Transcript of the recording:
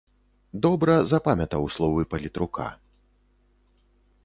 Добра запамятаў словы палітрука.